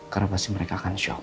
karena pasti mereka akan shock